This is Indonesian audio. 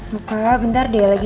buka bentar deh